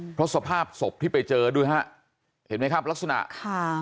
เพราะสภาพศพที่ไปเจอด้วยฮะเห็นไหมครับลักษณะค่ะ